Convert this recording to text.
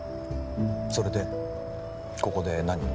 それでここで何を？